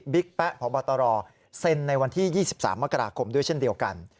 แป๊ะพบตรเซ็นในวันที่๒๓มกราคมด้วยเช่นเดียวกัน